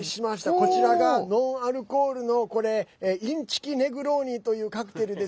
こちらがノンアルコールのこれインチキ・ネグローニというカクテルです。